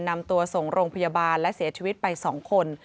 นำตัวส่งโรงพยาบาลและเสียชีวิตไป๒คน